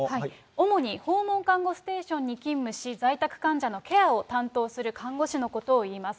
主に訪問看護ステーションに勤務し、在宅患者のケアを担当する看護師のことをいいます。